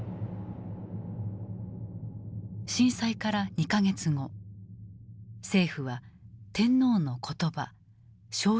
震災から２か月後政府は天皇の言葉詔書を発表する。